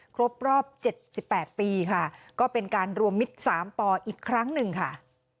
ครบรอบ๗๘ปีค่ะก็เป็นการรวมมิตร๓ปอีกครั้งหนึ่งค่ะ